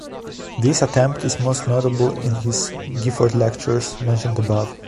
This attempt is most notable in his Gifford Lectures, mentioned above.